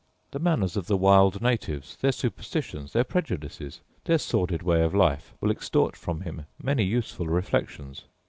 The manners of the wild natives, their superstitions, their prejudices, their sordid way of life, will extort from him many useful reflections.